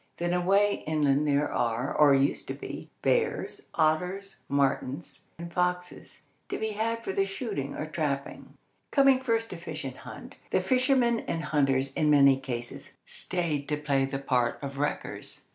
Then away inland there are, or used to be, bears, otters, martens, and foxes, to be had for the shooting or trapping. Coming first to fish and hunt, the fishermen and hunters in many cases stayed to play the part of wreckers.